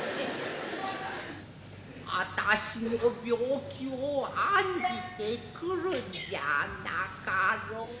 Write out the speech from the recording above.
あたしの病気を案じて来るんじゃなかろう。